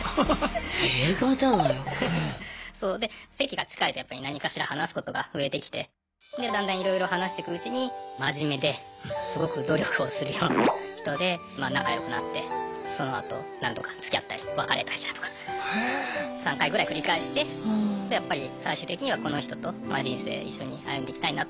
そうで席が近いとやっぱり何かしら話すことが増えてきてでだんだんいろいろ話してくうちに真面目ですごく努力をするような人でまあ仲良くなってそのあと何度かつきあったり別れたりだとか３回ぐらい繰り返してでやっぱり最終的にはこの人と人生一緒に歩んでいきたいなと。